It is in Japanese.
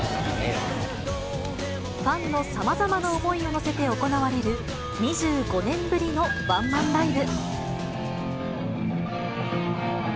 ファンのさまざまな思いを乗せて行われる、２５年ぶりのワンマンライブ。